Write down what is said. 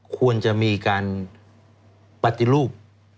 ควรจะมีการปฏิรูป